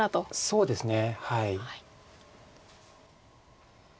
そうですね。